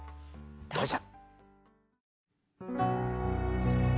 どうぞ。